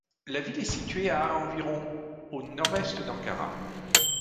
La ville est située à environ au nord-est d'Ankara.